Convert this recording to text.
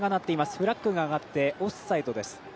フラッグが上がって、オフサイド。